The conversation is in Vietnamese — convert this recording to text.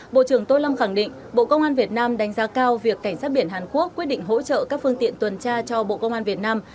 bộ trưởng tô lâm khẳng định bộ công an việt nam đánh giá cao việc cảnh sát biển hàn quốc quyết định hỗ trợ các phương tiện tuần tra cho bộ công an việt nam